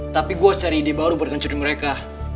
tapi gua harus cari ide baru buat hancurin mereka